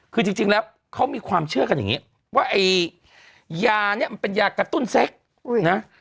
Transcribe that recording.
คือจริงแล้วเขามีความเชื่อกันอย่างนี้ว่าไอ้ยาเนี่ยมันเป็นยากระตุ้นเซ็กนะ